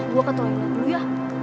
gue ketawain dulu ya